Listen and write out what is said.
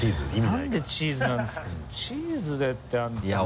なんでチーズなんですかチーズでってあんた。